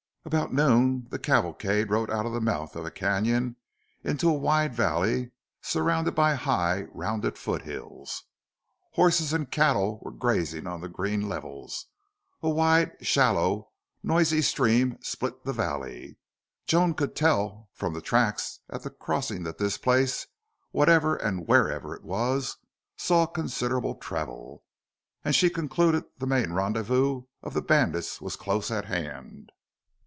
About noon the cavalcade rode out of the mouth of a canon into a wide valley, surrounded by high, rounded foot hills. Horses and cattle were grazing on the green levels. A wide, shallow, noisy stream split the valley. Joan could tell from the tracks at the crossing that this place, whatever and wherever it was, saw considerable travel; and she concluded the main rendezvous of the bandits was close at hand.